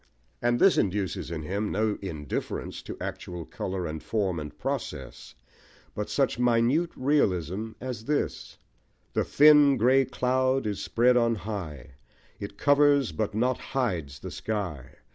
and this induces in him no indifference to actual colour and form and process, but such minute realism as this The thin grey cloud is spread on high, It covers but not hides the sky.